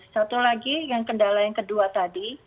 satu lagi yang kendala yang kedua tadi